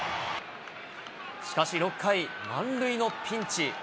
しかし６回、満塁のピンチ。